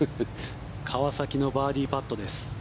川崎のバーディーパットです。